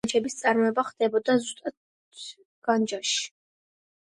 ამ ხალიჩების წარმოება ხდებოდა ზუსტად განჯაში.